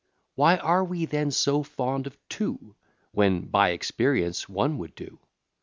Why are we then so fond of two, When by experience one would do?